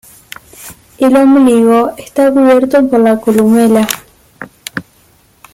El ombligo está cubierto por la columela.